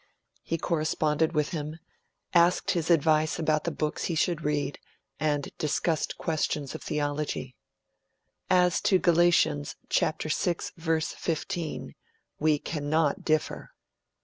He corresponded with him, asked his advice about the books he should read, and discussed questions of Theology 'As to Gal. vi 15, we cannot differ....